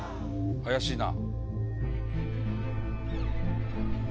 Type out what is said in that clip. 怪しいな。